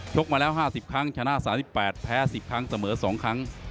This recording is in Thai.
กมาแล้ว๕๐ครั้งชนะ๓๘แพ้๑๐ครั้งเสมอ๒ครั้ง